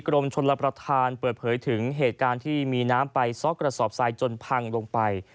กรมชนรับประทานเปิดเผยถึงเหตุการณ์ที่มีน้ำไปซอกกระสอบทรายจนพังลงไป